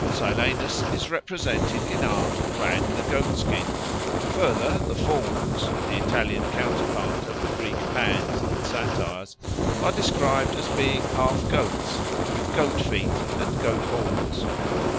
Silenus is represented in art clad in a goatskin. Further, the Fauns, the Italian counterpart of the Greek Pans and Satyrs, are described as being half goats, with goat feet and goat horns.